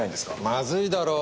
まずいだろう。